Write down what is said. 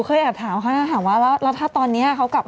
เหลวสีตาถูกนะครับ